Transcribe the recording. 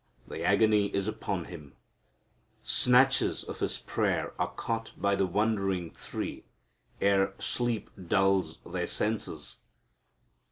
The agony is upon Him. Snatches of His prayer are caught by the wondering three ere sleep dulls their senses.